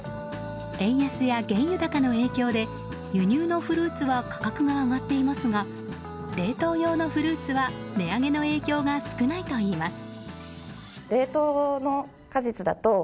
円安や原油高の影響で輸入のフルーツは価格が上がっていますが冷凍用のフルーツは値上げの影響が少ないといいます。